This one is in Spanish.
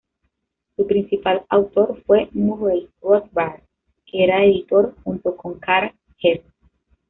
Su principal autor fue Murray Rothbard, que era editor, junto con Karl Hess.